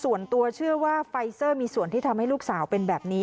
ส่วนตัวเชื่อว่าไฟเซอร์มีส่วนที่ทำให้ลูกสาวเป็นแบบนี้